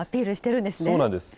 そうなんです。